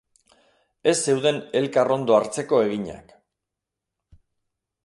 Ez zeuden elkar ondo hartzeko eginak.